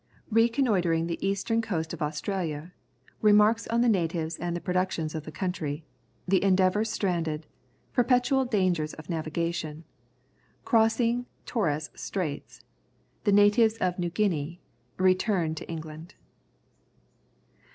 Reconnoitring the Eastern Coast of Australia Remarks on the natives and productions of the country The Endeavour stranded Perpetual dangers of navigation Crossing Torres Straits The natives of New Guinea Return to England.